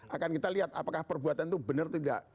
akan kita lihat apakah perbuatan itu benar atau nggak